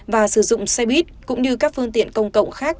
và sử dụng xe buýt cũng như các phương tiện công cộng khác